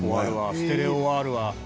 ステレオはあるわ」